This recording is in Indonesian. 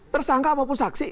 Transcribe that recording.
tersangka maupun saksi